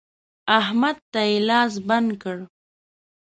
احمد ته يې لاس بند کړ.